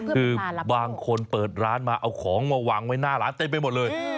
คือบางคนเปิดร้านมาเอาของมาวางไว้หน้าร้านเต็มไปหมดเลย